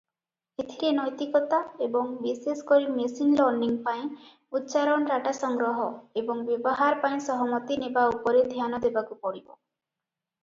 ଏଥିରେ ନୈତିକତା ଏବଂ ବିଶେଷକରି ମେସିନ୍ ଲର୍ଣ୍ଣିଂ ପାଇଁ ଉଚ୍ଚାରଣ ଡାଟା ସଂଗ୍ରହ ଏବଂ ବ୍ୟବହାର ପାଇଁ ସହମତି ନେବା ଉପରେ ଧ୍ୟାନ ଦେବାକୁ ପଡ଼ିବ ।